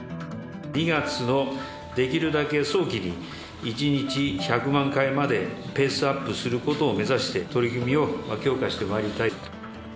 ２月のできるだけ早期に、１日１００万回までペースアップすることを目指して、取り組みを強化してまいりたいと。